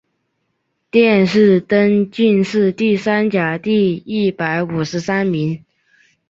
殿试登进士第三甲第一百五十三名。